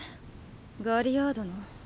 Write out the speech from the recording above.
ガリアードの？